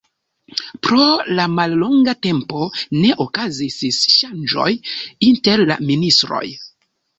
Pro la mallonga tempo ne okazis ŝanĝoj inter la ministroj.